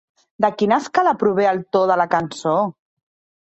De quina escala prové el to de la cançó?